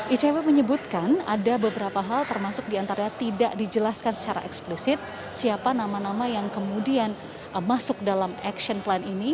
icw menyebutkan ada beberapa hal termasuk diantaranya tidak dijelaskan secara eksplisit siapa nama nama yang kemudian masuk dalam action plan ini